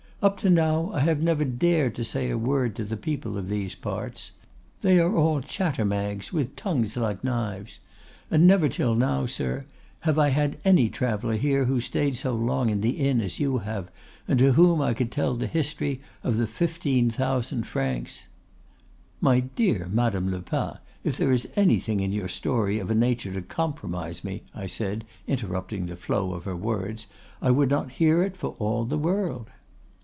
Up to now I have never dared to say a word to the people of these parts; they are all chatter mags, with tongues like knives. And never till now, sir, have I had any traveler here who stayed so long in the inn as you have, and to whom I could tell the history of the fifteen thousand francs——' "'My dear Madame Lepas, if there is anything in your story of a nature to compromise me,' I said, interrupting the flow of her words, 'I would not hear it for all the world.